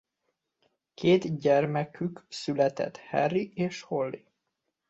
Két gyermekük született Harry és Holly.